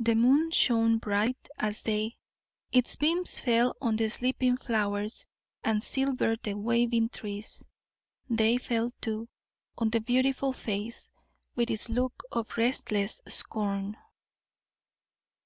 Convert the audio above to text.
The moon shone bright as day; its beams fell on the sleeping flowers, and silvered the waving trees; they fell, too, on the beautiful face, with its look of restless scorn.